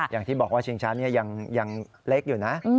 อย่างที่บอกว่าชิงชั้นยังเล็กอยู่นะ